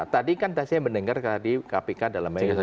tadi kan saya mendengar di kpk dalam media